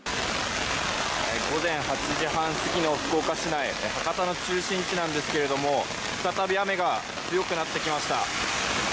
午前８時半過ぎの福岡市内博多の中心地なんですが再び雨が強くなってきました。